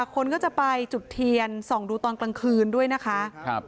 คนก็จะไปจุดเทียนส่องดูตอนกลางคืนด้วยนะคะ